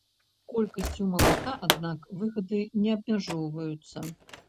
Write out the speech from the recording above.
Колькасцю малака, аднак, выгады не абмяжоўваюцца.